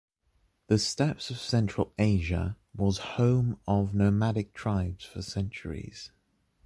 The Steppes of Central Asia was home of nomadic tribes for centuries.